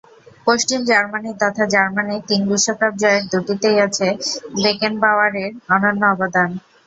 পশ্চিম Germany তথা জার্মানির তিন বিশ্বকাপ জয়ের দুটিতেই আছে বেকেনবাওয়ারের অনন্য অবদান।